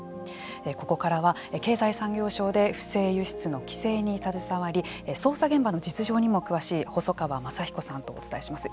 ここからは経済産業省で不正輸出の規制に携わり捜査現場の実情にも詳しい細川昌彦さんとお伝えします。